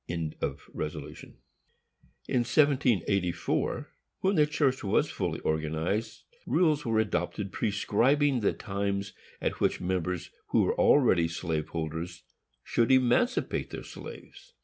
In 1784, when the church was fully organized, rules were adopted prescribing the times at which members who were already slave holders should emancipate their slaves.